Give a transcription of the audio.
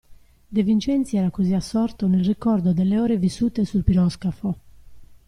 De Vincenzi era cosí assorto nel ricordo delle ore vissute sul piroscafo.